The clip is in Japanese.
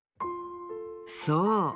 そう！